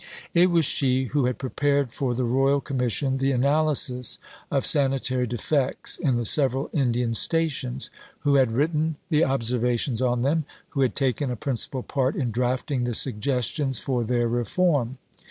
It was she who had prepared for the Royal Commission the analysis of sanitary defects in the several Indian Stations; who had written the "Observations" on them; who had taken a principal part in drafting the "Suggestions" for their reform.